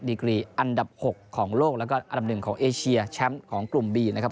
กรีอันดับ๖ของโลกแล้วก็อันดับหนึ่งของเอเชียแชมป์ของกลุ่มบีนะครับ